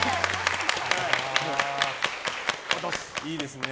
いいですね。